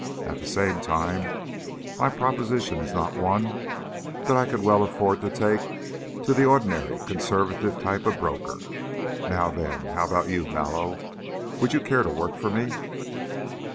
At the same time, my proposition is not one that I could well afford to take to the ordinary, conservative type of broker. Now then, how about you, Mallow? Would you care to work for me?"